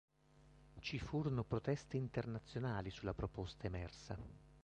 Ci furono proteste internazionali sulla proposta emersa.